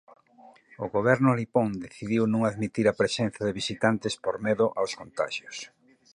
O Goberno nipón decidiu non admitir a presenza de visitantes por medo aos contaxios.